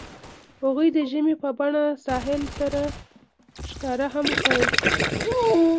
هغوی د ژمنې په بڼه ساحل سره ښکاره هم کړه.